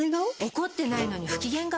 怒ってないのに不機嫌顔？